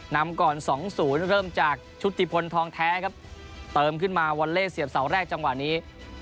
นำก่อน๒๐เริ่มจากชุติพลทองแท้ครับเติมขึ้นมาวอลเล่เสียบเสาแรกจังหวะนี้